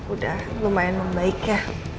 udah lumayan membaik ya